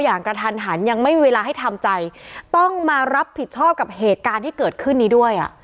กระทันหันยังไม่มีเวลาให้ทำใจต้องมารับผิดชอบกับเหตุการณ์ที่เกิดขึ้นนี้ด้วยอ่ะ